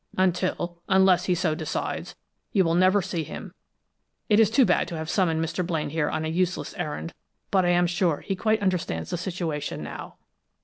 Until unless he so decides, you will never see him. It is too bad to have summoned Mr. Blaine here on a useless errand, but I am sure he quite understands the situation now."